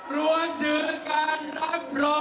รวมถือการรับรบ